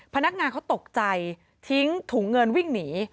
พนักงานเขาตกใจทิ้งถุงเงินวิ่งหนี